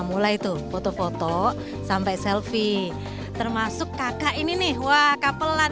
mulai tuh foto foto sampai selfie termasuk kakak ini nih wah kak pelan